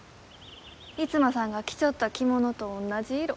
逸馬さんが着ちょった着物と同じ色。